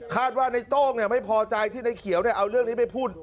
คาดว่าไอ้โต้งเนี่ยไม่พอใจที่ไอ้เขียวเนี่ยเอาเรื่องนี้ไปพูด